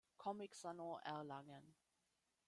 Comic-Salon Erlangen.